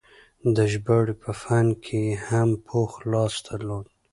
د ژباړې په فن کې یې هم پوخ لاس درلود.